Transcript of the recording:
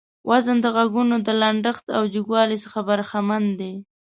وزن د غږونو د لنډښت او جګوالي څخه برخمن دى.